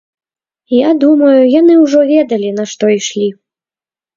Я думаю, яны ўжо ведалі, на што ішлі.